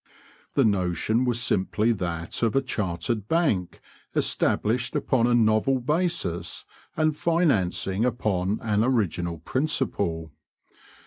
The notion was simply that of a chartered bank established upon a novel basis and financing upon an original principle.